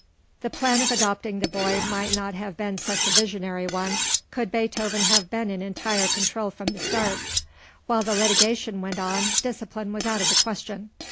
The plan of adopting the boy might not have been such a visionary one, could Beethoven have been in entire control from the start. While the litigation went on, discipline was out of the question.